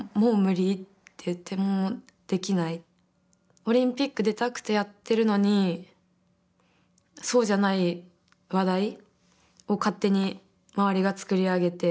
オリンピック出たくてやってるのにそうじゃない話題を勝手に周りが作り上げてあほらしいって。